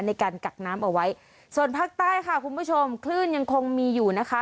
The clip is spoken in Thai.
ในการกักน้ำเอาไว้ส่วนภาคใต้ค่ะคุณผู้ชมคลื่นยังคงมีอยู่นะคะ